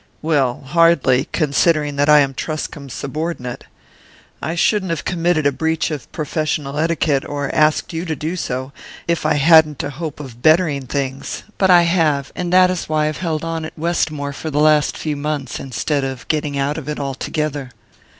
"Well, hardly, considering that I am Truscomb's subordinate. I shouldn't have committed a breach of professional etiquette, or asked you to do so, if I hadn't a hope of bettering things; but I have, and that is why I've held on at Westmore for the last few months, instead of getting out of it altogether."